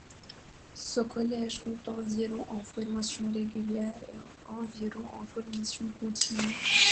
Ce collège compte environ en formation régulière et environ en formation continue.